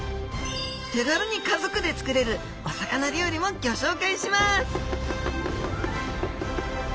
手軽に家族で作れるお魚料理もギョ紹介します！